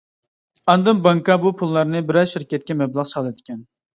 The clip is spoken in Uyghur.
ئاندىن بانكا بۇ پۇللارنى بىرەر شىركەتكە مەبلەغ سالىدىكەن.